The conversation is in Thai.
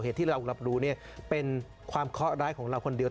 ที่เรารับรู้เป็นความเคาะร้ายของเราคนเดียว